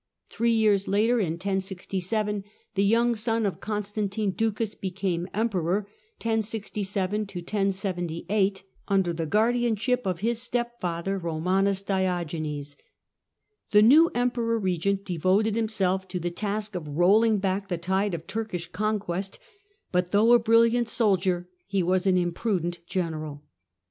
Three years later, in 1067, the young son of Constantine Ducas became Emperor under the guardianship of his stepfather, Eomanus Diogenes. The new Emperor regent devoted himself to the task of rolling back the tide of Turkish conquest, but, though a brilliant soldier, he was an imprudent general.